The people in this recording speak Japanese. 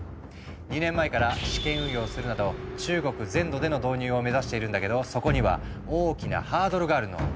２年前から試験運用するなど中国全土での導入を目指しているんだけどそこには大きなハードルがあるの。